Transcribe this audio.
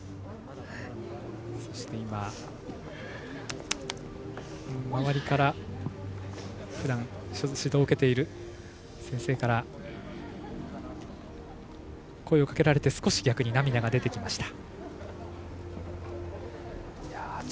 そして、周りからふだん指導を受けている先生から声をかけられて少し逆に涙が出てきました。